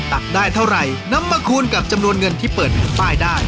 ตักได้เท่าไหร่นำมาคูณกับจำนวนเงินที่เปิดแผ่นป้ายได้